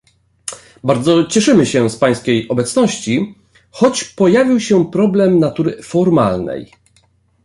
Bardzo się cieszymy z pańskiej obecności, choć pojawił się problem natury formalnej